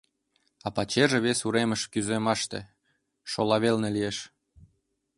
А пачерже вес уремыш кӱзымаште, шола велне лиеш.